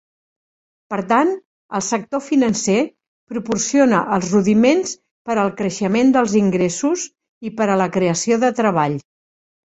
Per tant, el sector financer proporciona els rudiments per al creixement dels ingressos i per a la creació de treball.